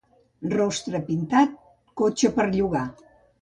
Rostre pintat, cotxe per llogar.